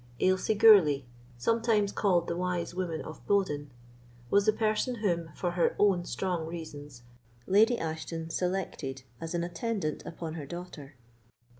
Ailsie Gourlay, sometimes called the Wise Woman of Bowden, was the person whom, for her own strong reasons, Lady Ashton selected as an attendant upon her daughter.